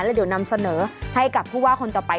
แล้วเดี๋ยวนำเสนอให้กับผู้ว่าคนต่อไป